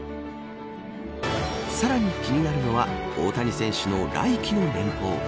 さらに気になるのは大谷選手の来季の年俸。